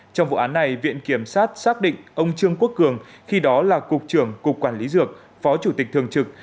trong vụ án này viện kiểm sát xác định ông trương quốc cường khi đó là cục trưởng cục quản lý dược phó chủ tịch thường trực